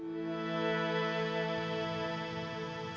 banyak orang yang ingin memperbutkannya